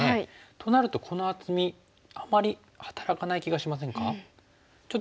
となるとこの厚みあまり働かない気がしませんか？